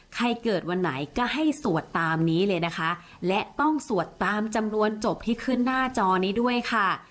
ใครเกิดวันไหนก็ให้สวดตามนี้เลยนะคะและต้องสวดตามจำนวนจบที่ขึ้นหน้าจอนี้ด้วยค่ะ